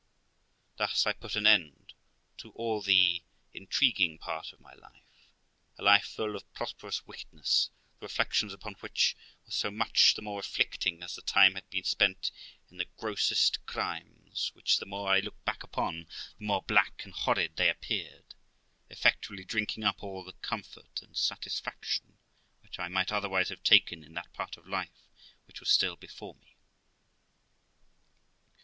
Thus I put an end to all the intriguing part of my life a life full of prosperous wickedness; the reflections upon which were so much the more afflicting as the time had been spent in the grossest crimes, which, the more I looked back upon, the more black and horrid they appeared, effectually drinking up all the comfort and satisfaction which I might otherwise have taken in that part of life which was still before me.